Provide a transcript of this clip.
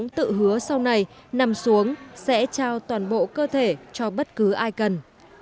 ông lạc cũng tự hứa sau này nằm xuống sẽ trao toàn bộ cơ thể cho bất cứ ai cần